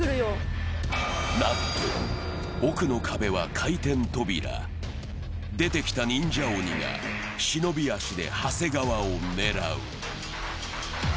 なんと奥の壁は回転扉、出てきた忍者鬼が忍び足で長谷川を狙う。